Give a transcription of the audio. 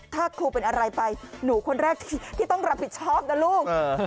ถ้าครูเป็นอะไรไปหนูคนแรกที่ต้องรับผิดชอบนะลูก